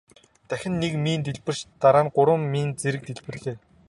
Дахин нэг мин дэлбэрч дараа нь гурван мин зэрэг дэлбэрлээ.